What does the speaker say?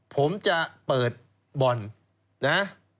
ผมจะเปิดบ่อนนะ